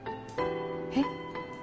えっ？